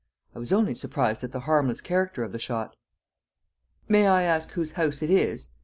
I was only surprised at the harmless character of the shot. "May I ask whose house it is?"